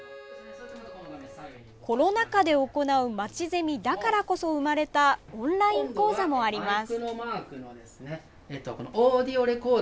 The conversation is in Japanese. コロナ禍で行うまちゼミだからこそ生まれたオンライン講座もあります。